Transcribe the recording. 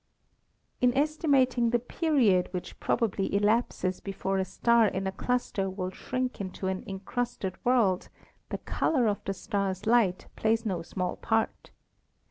In estimating the period which probably elapses before a star in a cluster will shrink into an incrusted world the color of the star's light plays no small part.